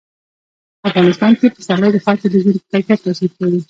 په افغانستان کې پسرلی د خلکو د ژوند په کیفیت تاثیر کوي.